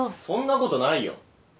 そんなことないよ。